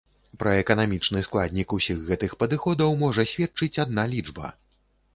Пра эканамічны складнік усіх гэтых падыходаў можа сведчыць адна лічба.